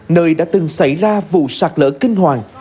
nơi đã từng xảy ra vụ sạt lỡ kinh hoàng